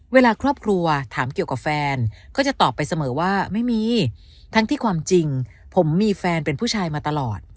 เวลาครอบครัวถามเกี่ยวกับแฟนก็จะตอบไปเสมอว่าไม่มีทั้งที่ความจริงผมมีแฟนเป็นผู้ชายมาตลอด